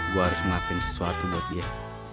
gue harus melakukan sesuatu buat dia